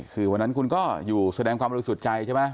คือวันนั้นคุณก็อยู่แสดงความบริสุทธิ์ใจใช่ไหม